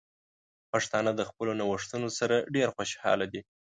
پښتانه د خپلو نوښتونو سره ډیر خوشحال دي.